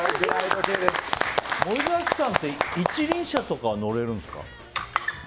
森崎さんって一輪車とかは乗れるんですか？